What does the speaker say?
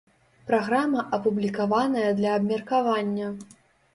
Праграма апублікаваная для абмеркавання.